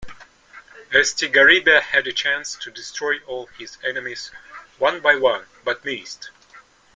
Estigarribia had a chance to destroy all his enemies one by one, but missed.